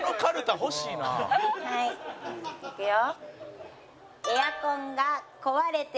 はいいくよ。